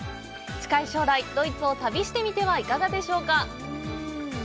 近い将来、ドイツを旅してみてはいかがでしょうか！